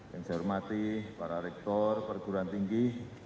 yang saya hormati para rektor perguruan tinggi